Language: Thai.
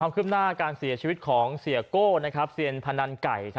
ขึ้นหน้าการเสียชีวิตของเสียโก้เซียนพนันไก่